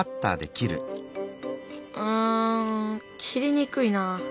うん切りにくいな。